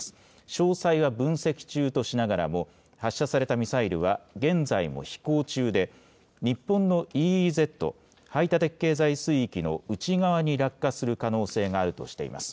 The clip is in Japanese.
詳細は分析中としながらも発射されたミサイルは現在も飛行中で日本のＥＥＺ・排他的経済水域の内側に落下する可能性があるとしています。